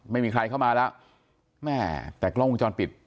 ไม่มีใครเข้ามาแล้วแม่แต่กล้องวงจรปิด